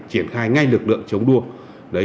triển khai ngay lực lượng chống đua